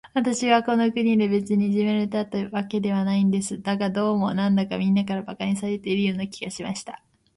私はこの国で、別にいじめられたわけではないのです。だが、どうも、なんだか、みんなから馬鹿にされているような気がしました。